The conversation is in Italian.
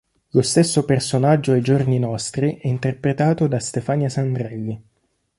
Lo stesso personaggio ai giorni nostri è interpretato da Stefania Sandrelli.